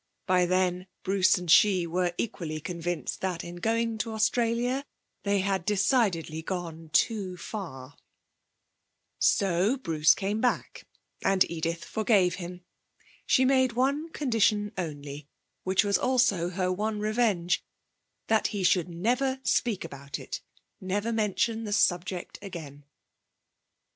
By then Bruce and she were equally convinced that in going to Australia they had decidedly gone too far. So Brace came back, and Edith forgave him. She made one condition only (which was also her one revenge), that he should never speak about it, never mention the subject again.